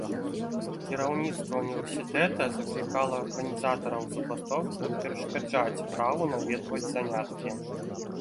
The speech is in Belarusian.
Кіраўніцтва ўніверсітэта заклікала арганізатараў забастоўкі не перашкаджаць праву наведваць заняткі.